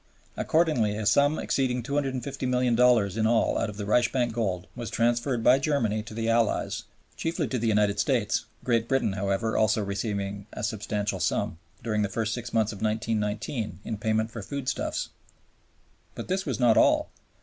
Accordingly a sum exceeding $250,000,000 in all out of the Reichsbank gold was transferred by Germany to the Allies (chiefly to the United States, Great Britain, however, also receiving a substantial sum) during the first six months of 1919 in payment for foodstuffs. But this was not all.